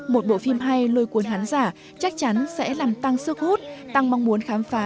một bộ phim hay lôi cuốn khán giả chắc chắn sẽ làm tăng sức hút tăng mong muốn khám phá